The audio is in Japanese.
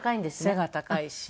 背が高いし。